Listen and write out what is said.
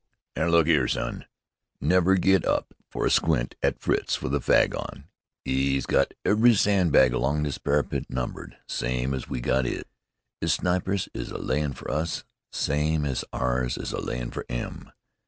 "Now, look 'ere, son! Never get up for a squint at Fritz with a fag on! 'E's got every sandbag along this parapet numbered, same as we've got 'is. 'Is snipers is a layin' fer us same as ours is a layin' fer 'im."